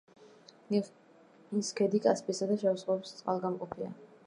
ლიხის ქედი კასპიისა და შავი ზღვების წყალგამყოფია.